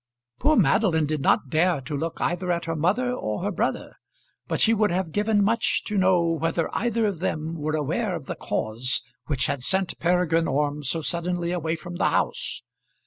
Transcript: Poor Madeline did not dare to look either at her mother or her brother, but she would have given much to know whether either of them were aware of the cause which had sent Peregrine Orme so suddenly away from the house.